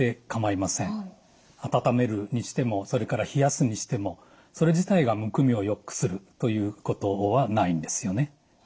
温めるにしてもそれから冷やすにしてもそれ自体がむくみをよくするということはないんですよね。